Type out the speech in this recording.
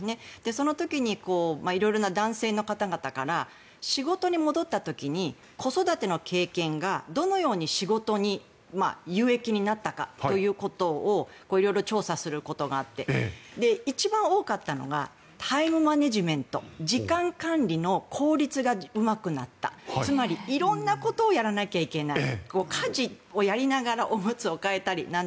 その時に、男性の方々から仕事に戻った時に子育ての経験がどのように仕事に有益になったかということを色々調査することがあって一番多かったのがタイムマネジメント時間管理の効率がうまくなったつまり、色んなことをやらなきゃいけない。